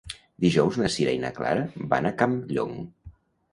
Dijous na Sira i na Clara van a Campllong.